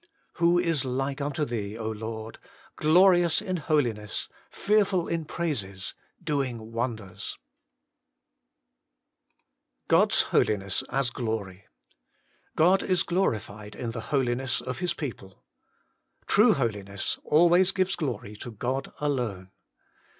Who is like unto Thee, Lord ! glorious in holiness, fearful in praises, doing wonders ? HOLINESS AND GLOKY. 63 1. God's Holiness as Glory. God is glorified in the holiness of His people. True holiness always gives glory to God alone.